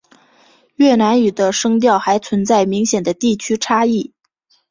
越南语的声调还存在明显的地区差异。